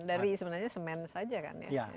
dari sebenarnya semen saja kan ya